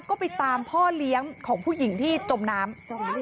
ก็ไปตามพ่อเลี้ยงของผู้หญิงที่จมน้ำ